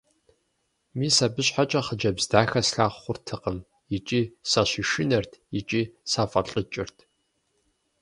Мис абы щхьэкӀэ хъыджэбз дахэ слъагъу хъуртэкъым – икӀи сащышынэрт, икӀи сафӀэлӀыкӀырт.